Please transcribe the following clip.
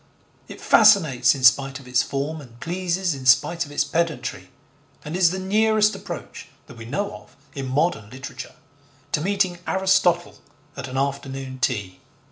It fascinates in spite of its form and pleases in spite of its pedantry, and is the nearest approach, that we know of, in modern literature to meeting Aristotle at an afternoon tea.